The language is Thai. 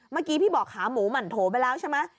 เมื่อกี้พี่บอกขาหมูหมั่นโถไปแล้วใช่ไหม